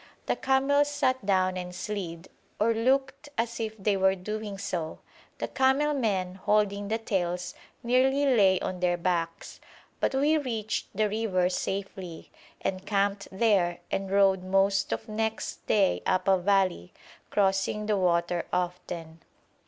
The camels sat down and slid, or looked as if they were doing so; the camel men, holding the tails, nearly lay on their backs; but we reached the river safely, encamped there, and rode most of next day up a valley, crossing the water often.